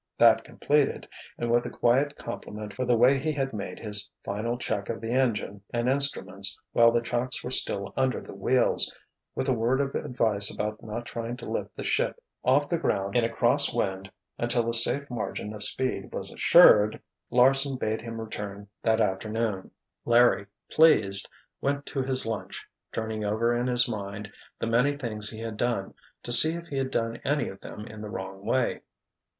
That completed, and with a quiet compliment for the way he had made his final check of the engine and instruments while the chocks were still under the wheels, with a word of advice about not trying to lift the ship off the ground in a cross wind until a safe margin of speed was assured, Larsen bade him return that afternoon. Larry, pleased, went to his lunch, turning over in his mind the many things he had done, to see if he had done any of them in the wrong way.